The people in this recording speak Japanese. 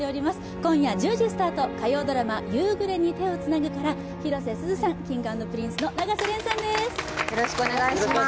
今夜１０時スタート、火曜ドラマ「夕暮れに、手をつなぐ」から広瀬すずさん、Ｋｉｎｇ＆Ｐｒｉｎｃｅの永瀬廉さんです。